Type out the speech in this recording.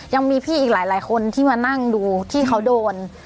ยังมีพี่อีกหลายคนที่มานั่งดูที่เขาโดน